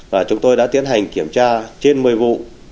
và chúng tôi đã tiến hành kiểm tra trên một mươi vụ